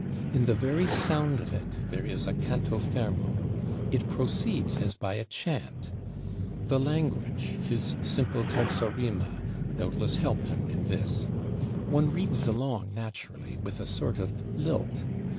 In the very sound of it there is a canto fermo; it proceeds as by a chant. The language, his simple terza rima, doubtless helped him in this. One reads along naturally with a sort of lilt.